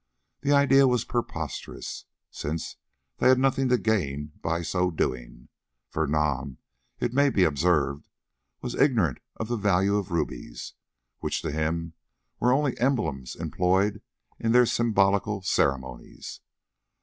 The idea was preposterous, since they had nothing to gain by so doing, for Nam, it may be observed, was ignorant of the value of rubies, which to him were only emblems employed in their symbolical ceremonies.